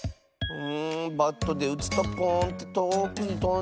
んバットでうつとポーンってとおくにとんでいくからな。